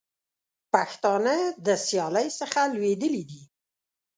پښتانه د سیالۍ څخه لوېدلي دي.